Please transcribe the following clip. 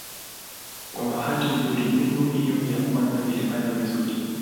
Kwa bahati nzuri nyimbo hiyo ya kwanza ilifanya vizuri.